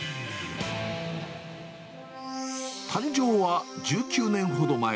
誕生は１９年ほど前。